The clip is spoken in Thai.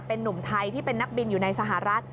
เป็นนุ่มไทยที่เป็นนักบินอยู่ในสหรัฐ